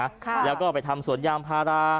ค่ะแล้วก็ไปทำสวนยางพารา